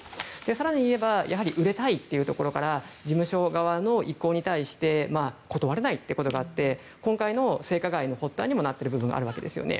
更にいえば売れたいというところから事務所側の意向に対して断れないということがあって今回の性加害の発端にもなってる部分があるわけですね。